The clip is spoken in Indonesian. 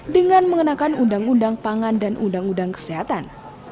dengan mengenakan undang undang pangan dan undang undang kesehatan